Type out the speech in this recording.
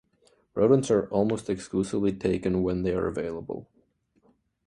Rodents are almost exclusively taken when they are available.